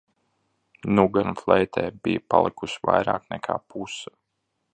Nu gan fleitē, bija palikusi vairāk nekā puse!